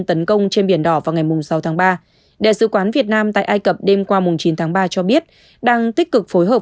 tấn công trên biển đỏ vào ngày sáu tháng ba đại sứ quán việt nam tại ai cập đêm qua chín tháng ba cho biết đang tích cực phối hợp